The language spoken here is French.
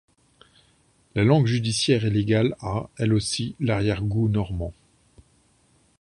La langue judiciaire et légale a, elle aussi, l’arrière-goût normand.